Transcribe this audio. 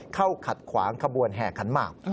เข้าขัดขวางขบวนแห่ขันมาก